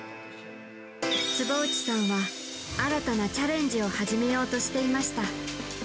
坪内さんは、新たなチャレンジを始めようとしていました。